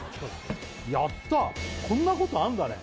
やったこんなことあんだね